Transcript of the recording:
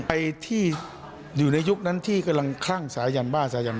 ไอ้ที่อยู่ในยุคนั้นที่กำลังคลั่งสายันบ้าสายัน